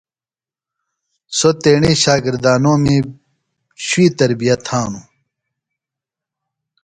سوۡ تیݨی شاگردانومی شوئی تربیت تھانوۡ۔